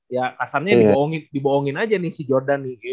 ya kasarnya dibohongin aja nih si jordan nih